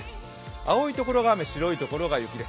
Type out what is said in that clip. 青いところが雨白いところが雪です。